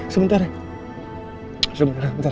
sebentar saya nyari asgara